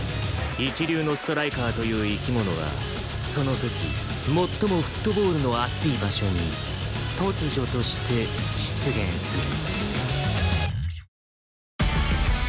一流のストライカーという生き物はその時最もフットボールの熱い場所に突如として出現する